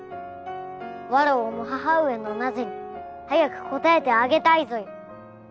わらわも母上の「なぜ」に早く答えてあげたいぞよ。